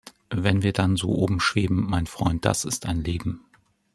Wenn wir dann so oben schweben, mein Freund das ist ein Leben!